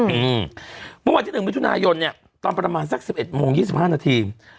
อืมอืมมันวันที่๑วิทยุนายนเนี่ยตอนประมาณสัก๑๑โมง๒๕นาที